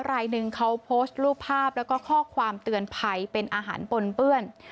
รายหนึ่งเขาโพสต์รูปภาพแล้วก็ข้อความเตือนภัยเป็นอาหารปนเปื้อน